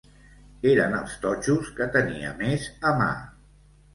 Eren els totxos que tenia més a mà.